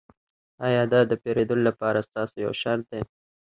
ایا دا د پیرودلو لپاره ستاسو یو شرط دی